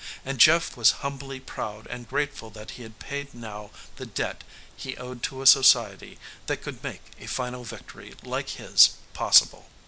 And Jeff was humbly proud and grateful that he had paid now the debt he owed to a society that could make a final victory, like his, possible.